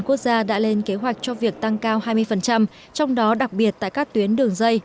quốc gia đã lên kế hoạch cho việc tăng cao hai mươi trong đó đặc biệt tại các tuyến đường dây